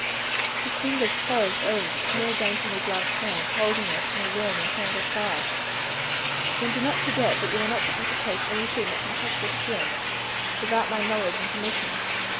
His fingers closed over the small, daintily gloved hand, holding it in a warm and tender clasp. "Then do not forget that you are not to undertake anything that can tax your strength, without my knowledge and permission.